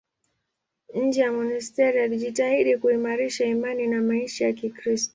Nje ya monasteri alijitahidi kuimarisha imani na maisha ya Kikristo.